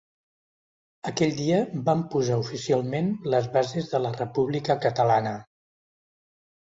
Aquell dia vam posar oficialment les bases de la república catalana.